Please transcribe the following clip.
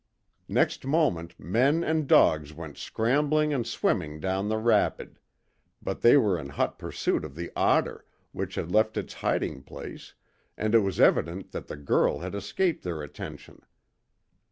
Next moment men and dogs went scrambling and swimming down the rapid; but they were in hot pursuit of the otter, which had left its hiding place, and it was evident that the girl had escaped their attention.